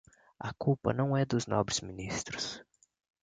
A culpa não é dos nobres ministros.